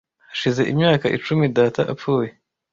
Hashize imyaka icumi data apfuye.